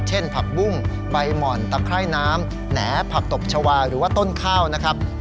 ผักบุ้งใบหม่อนตะไคร่น้ำแหน่ผักตบชาวาหรือว่าต้นข้าวนะครับ